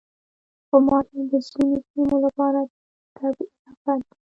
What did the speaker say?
غوماشې د ځینو سیمو لپاره طبعي افت دی.